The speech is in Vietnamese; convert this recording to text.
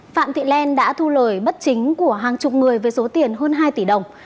phạm thị len đã thu lời bất chính của hàng chục người với số tiền hơn hai tỷ đồng